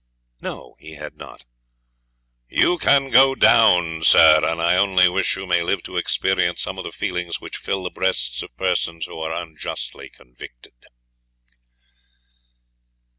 'No, he had not.' 'You can go down, sir, and I only wish you may live to experience some of the feelings which fill the breasts of persons who are unjustly convicted.'